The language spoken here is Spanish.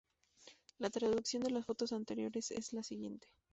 La traducción de las fotos anteriores es la siguiente.